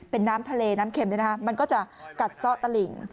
เป็นน้ำทะเลน้ำเข็มมันก็จะกัดซ่อตะหลิ่ง